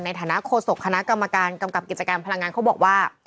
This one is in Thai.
ในฐานะโฆษกคณะกรรมการกำกับกิจการพลังงานเขาบอกว่า